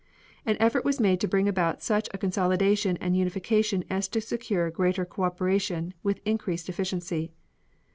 An effort was made to bring about such a consolidation and unification as to secure greater co operation with increased efficiency.